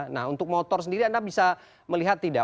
nah untuk motor sendiri anda bisa melihat tidak